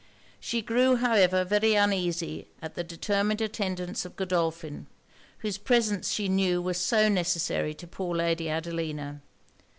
She grew, however, very uneasy at the determined attendance of Godolphin, whose presence she knew was so necessary to poor Lady Adelina.